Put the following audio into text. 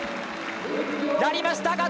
やりました！